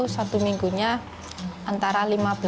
satu minggunya antara lima belas dua puluh